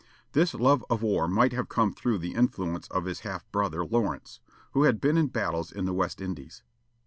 This love of war might have come through the influence of his half brother Lawrence, who had been in battles in the West Indies.